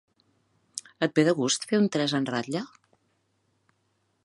Et ve de gust fer un tres en ratlla?